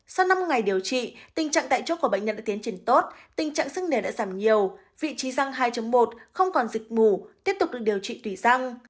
sau năm ngày điều trị tình trạng tại chốt của bệnh nhân đã tiến triển tốt tình trạng sức nề đã giảm nhiều vị trí răng hai một không còn dịch mù tiếp tục được điều trị tùy răng